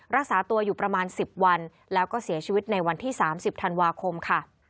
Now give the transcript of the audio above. รักษาตัวอยู่ประมาณ๑๐วันแล้วก็เสียชีวิตในวันที่๓๐ธันวาคมค่ะ